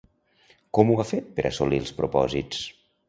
Com ho ha fet per assolir els propòsits?